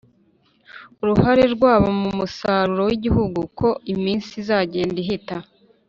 uruhare rwabwo mu musaruro w' igihugu uko iminsi izagenda ihita,